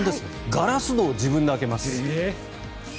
ガラス戸を自分で開けます。